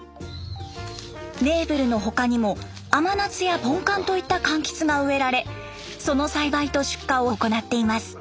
ネーブルの他にも甘夏やポンカンといった柑橘が植えられその栽培と出荷を行っています。